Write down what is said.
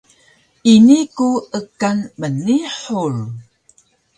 ini ku ekan mnihur